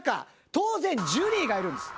当然ジュリーがいるんです。